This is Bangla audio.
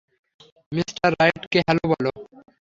মিস্টার রাইটকে হ্যালো বলো।